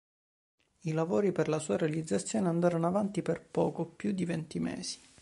I lavori per la sua realizzazione andarono avanti per poco più di venti mesi.